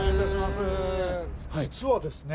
実はですね